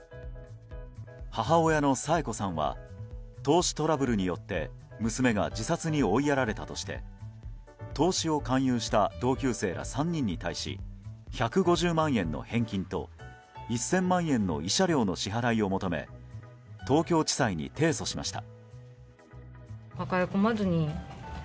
母親の佐永子さんは投資トラブルによって娘が自殺に追いやられたとして投資を勧誘した同級生ら３人に対し１５０万円の返金と１０００万円の慰謝料の支払いを求め東京地裁に提訴しました。